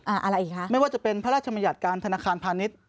อะไรอีกคะไม่ว่าจะเป็นพระราชมัญญัติการธนาคารพาณิชย์